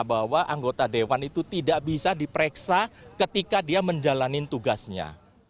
bahwa anggota dewan itu tidak bisa diperiksa ketika dia menjalani tugasnya